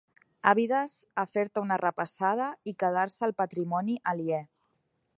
Àvides a fer-te una repassada i quedar-se el patrimoni aliè.